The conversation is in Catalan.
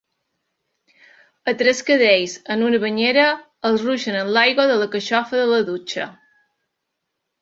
A tres cadells en una banyera els ruixen amb l'aigua de la carxofa de la dutxa.